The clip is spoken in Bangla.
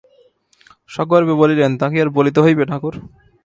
সগর্বে বলিলেন, তা কি আর বলিতে হইবে ঠাকুর!